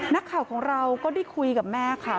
นักข่าวของเราก็ได้คุยกับแม่ค่ะ